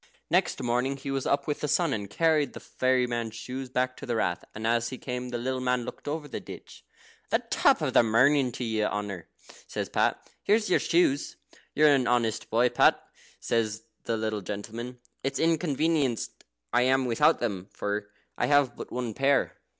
Next morning he was up with the sun, and carried the fairy man's shoes back to the Rath. As he came up, the little man looked over the ditch. "The top of the morning to, your honour," says Pat; "here's your shoes." "You're an honest boy, Pat," says the little gentleman. "It's inconvenienced I am without them, for. I have but the one pair.